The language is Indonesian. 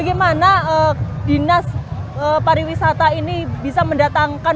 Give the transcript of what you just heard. bagaimana dinas pariwisata ini bisa mendatangkan bagaimana dinas pariwisata ini bisa mendatangkan